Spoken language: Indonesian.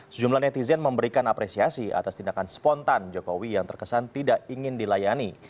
sejumlah netizen memberikan apresiasi atas tindakan spontan jokowi yang terkesan tidak ingin dilayani